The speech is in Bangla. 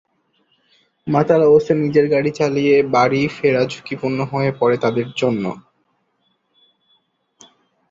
মাতাল অবস্থায় নিজের গাড়ি চালিয়ে বাড়ি ফেরা ঝুঁকিপূর্ণ হয়ে পড়ে তাঁদের জন্য।